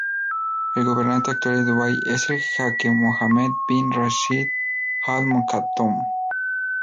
El gobernante actual de Dubai es el jeque Mohammed bin Rashid Al Maktoum.